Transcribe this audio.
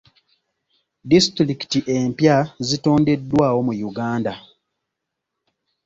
Disitulikiti empya zitondeddwawo mu Uganda.